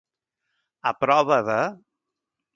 A prova de.